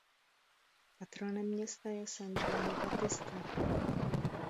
Patronem města je San Giovanni Battista.